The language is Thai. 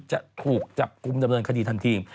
จะถูกจับกลุ่มดำเนินคดีทันที